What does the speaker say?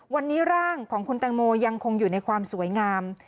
วันนี้ร่างของคุณแตงโมยังคงอยู่ในความสวยงาม